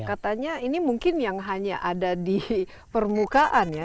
dan katanya ini mungkin yang hanya ada di permukaan ya